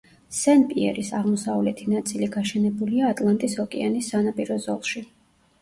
სენ-პიერის აღმოსავლეთი ნაწილი გაშენებულია ატლანტის ოკეანის სანაპირო ზოლში.